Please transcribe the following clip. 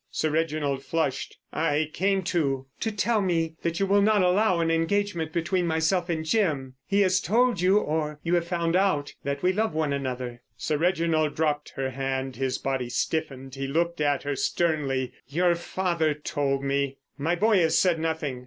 Sir Reginald flushed. "I came to——" "To tell me that you will not allow an engagement between myself and Jim. He has told you, or you have found out, that we love one another." Sir Reginald dropped her hand. His body stiffened. He looked at her sternly. "Your father told me. My boy has said nothing.